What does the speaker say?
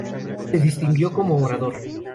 Se distinguió como orador.